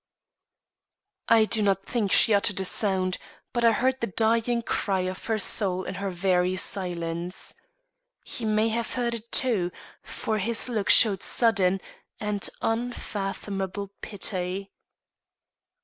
I do not think she uttered a sound, but I heard the dying cry of her soul in her very silence. He may have heard it, too, for his look showed sudden and unfathomable pity.